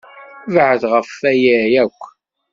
Bɛed ɣef waya akk!